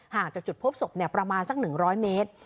ห่างจากจุดพบศพเนี่ยประมาณสักหนึ่งร้อยเมตร